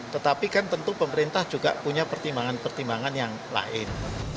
tetapi kan tentu pemerintah juga punya pertimbangan pertimbangan yang lain